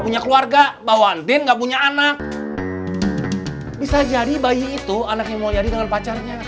punya keluarga bahwa antin gak punya anak bisa jadi bayi itu anaknya mau nyari dengan pacarnya